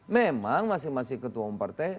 memang masing masing ketua umum partai